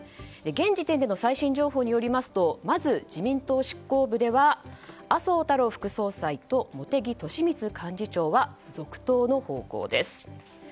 現時点での最新情報によりますとまず、自民党執行部では麻生太郎副総裁と茂木敏充幹事長は続投の方向です。